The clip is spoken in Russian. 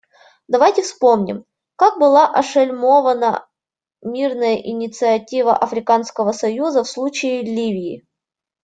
Давайте вспомним, как была ошельмована мирная инициатива Африканского союза в случае Ливии.